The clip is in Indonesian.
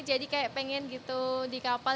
jadi kayak pengen gitu di kapal